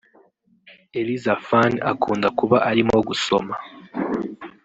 Elizaphan akunda kuba arimo gusoma